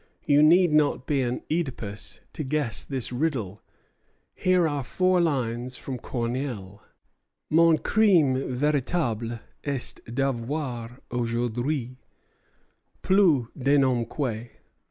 You need not be an Œdipus to guess this riddle. Here are four lines from Corneille: "'Mon crime véritable est d'avoir aujourd'hui Plus de nom que